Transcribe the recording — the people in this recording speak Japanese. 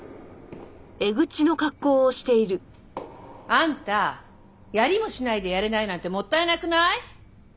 あんたやりもしないで「やれない」なんてもったいなくない？